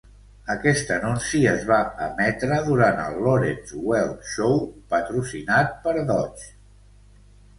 Aquest anunci es va emetre durant el "Lawrence Welk Show" patrocinat per Dodge.